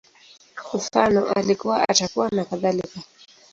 Mfano, Alikuwa, Atakuwa, nakadhalika